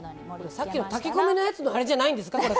さっきの炊き込みのやつのあれじゃないんですか。